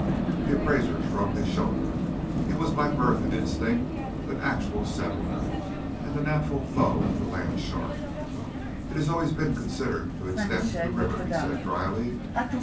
The appraiser shrugged his shoulder. He was by birth and instinct an Actual Settler, and the natural foe of the land shark. "It has always been considered to extend to the river," he said, dryly.